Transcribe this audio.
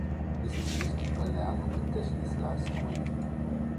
Dies ist wichtig für Lern- und Gedächtnisleistungen.